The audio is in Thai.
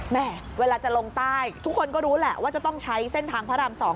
เวลาจะลงใต้ทุกคนก็รู้แหละว่าจะต้องใช้เส้นทางพระราม๒